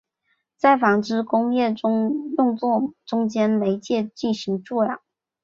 在纺织工业中用作中间媒介进行助染。